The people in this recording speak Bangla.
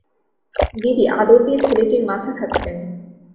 দিদি আদর দিয়ে ছেলেটির মাথা খাচ্ছেন।